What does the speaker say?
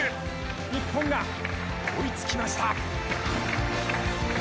日本が追いつきました。